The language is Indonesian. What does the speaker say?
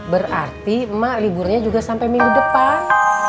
berarti mak liburnya juga sampe minggu depan